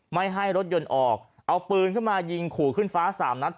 ไม่ให้รถยนต์ออกเอาปืนขึ้นมายิงขู่ขึ้นฟ้าสามนัด